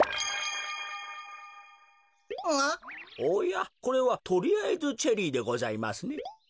おやこれはとりあえずチェリーでございますね。